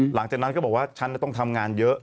หลังจากนั้นก็บอกว่าฉันต้องทำงานเยอะ